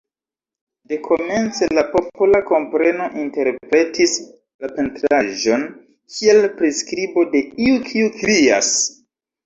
Dekomence la popola kompreno interpretis la pentraĵon kiel priskribo de iu kiu krias.